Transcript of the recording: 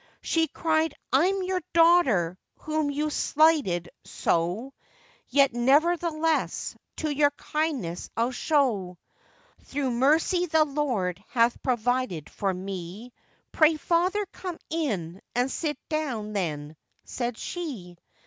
She cried 'I'm your daughter, whom you slighted so, Yet, nevertheless, to you kindness I'll show. 'Through mercy the Lord hath provided for me; Pray, father, come in and sit down then,' said she.